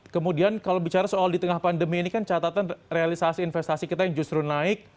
kemudian kalau bicara soal di tengah pandemi ini kan catatan realisasi investasi kita yang justru naik